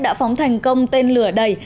đã phóng thành công tên lửa đầy